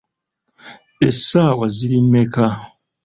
Essaawa ziri mmeka?